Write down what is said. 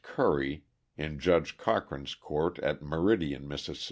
Currie, in Judge Cochran's court at Meridian, Miss.